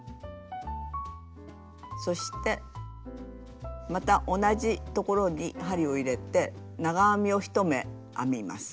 そしてまた同じところに針を入れて長編みを１目編みます。